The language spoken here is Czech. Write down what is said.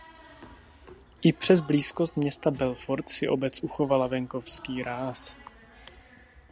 I přes blízkost města Belfort si obec uchovala venkovský ráz.